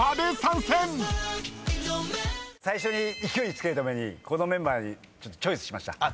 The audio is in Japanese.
最初に勢い付けるためにこのメンバーチョイスしました。